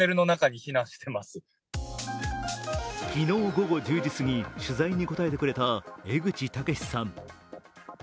昨日午後１０時過ぎ、取材に答えてくれた江口武さん。